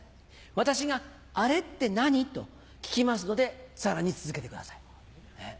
私が「アレって何？」と聞きますのでさらに続けてください。